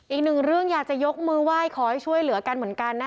อีกหนึ่งเรื่องอยากจะยกมือไหว้ขอให้ช่วยเหลือกันเหมือนกันนะ